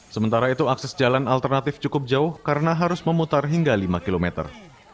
sementara itu akses jalan alternatif cukup jauh karena harus memutar hingga lima kilometer